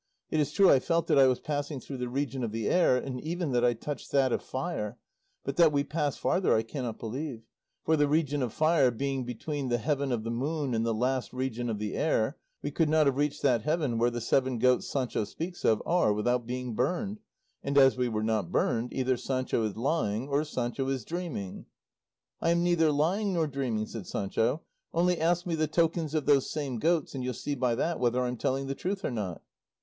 It is true I felt that I was passing through the region of the air, and even that I touched that of fire; but that we passed farther I cannot believe; for the region of fire being between the heaven of the moon and the last region of the air, we could not have reached that heaven where the seven goats Sancho speaks of are without being burned; and as we were not burned, either Sancho is lying or Sancho is dreaming." "I am neither lying nor dreaming," said Sancho; "only ask me the tokens of those same goats, and you'll see by that whether I'm telling the truth or not."